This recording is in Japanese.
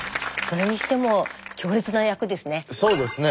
それにしても強烈な役ですね。